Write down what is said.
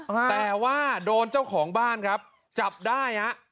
แต่ว่าโดนเจ้าของบ้านครับจับได้ฮะ